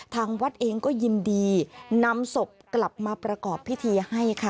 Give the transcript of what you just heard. ทางวัดเองก็ยินดีนำศพกลับมาประกอบพิธีให้ค่ะ